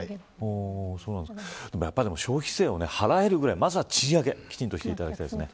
消費税を払えるぐらいまずは賃上げをきちんとしてほしいです。